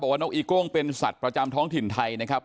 นกอีโก้งเป็นสัตว์ประจำท้องถิ่นไทยนะครับ